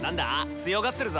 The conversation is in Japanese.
強がってるぞ。